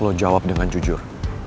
lo jawab dengan jujur